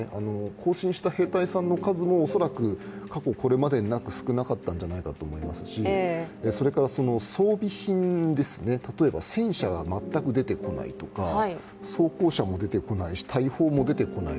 行進した兵隊さんの数も過去これまでになく少なかったと思いますしそれから装備品、例えば戦車が全く出てこないとか装甲車も出てこないし、大砲も出てこない。